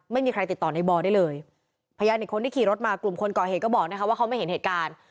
ไม่มีใครติดต่อในบอได้เลยพยานอีกคนที่ขี่รถมากลุ่มคนก่อเหตุก็บอกนะคะว่าเขาไม่เห็นเหตุการณ์